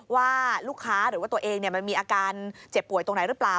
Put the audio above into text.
ว่าลูกค้าหรือว่าตัวเองมันมีอาการเจ็บป่วยตรงไหนหรือเปล่า